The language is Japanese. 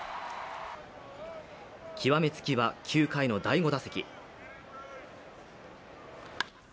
極めつきは９回の第５打席。